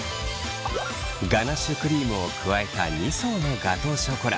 ガナッシュクリームを加えた２層のガトーショコラ。